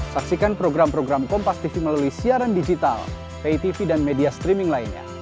saksikan program program kompastv melalui siaran digital paytv dan media streaming lainnya